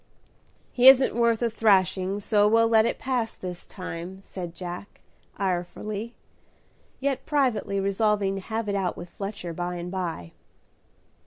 "He isn't worth a thrashing, so we'll let it pass this time," said Jack, irefully, yet privately resolving to have it out with Fletcher by and by.